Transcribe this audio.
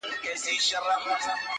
له نقابو یې پرهېزګاره درخانۍ ایستله-